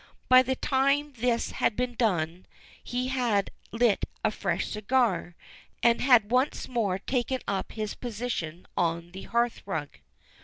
By the time this had been done he had lit a fresh cigar, and had once more taken up his position on the hearthrug.